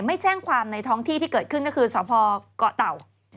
ไม่แจ้งความในท้องที่ที่เกิดขึ้นก็คือสพเกาะเต่า